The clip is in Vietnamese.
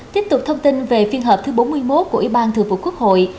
tiếp tục thông tin về phiên hợp thứ bốn mươi một của ủy ban thượng vụ quốc hội